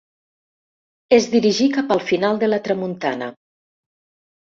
Es dirigí cap al final de la tramuntana.